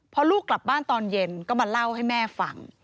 พอลูกกลับบ้านตอนเย็นก็มาเล่าให้แม่ฟัง